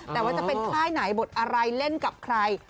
แต่ว่าจะเป็นค่ายไหนบทอะไรเล่นกับใคร